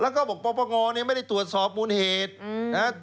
แล้วก็บอกปปงเนี่ยไม่ได้ตรวจสอบมูลเหตุนะ